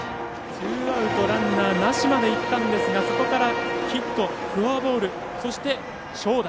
ツーアウトランナーなしまでいったんですがそこからヒット、フォアボールそして長打。